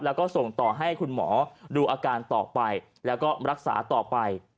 แล้วก็ส่งต่อให้คุณหมอดูอาการต่อไปแล้วก็รักษาต่อไป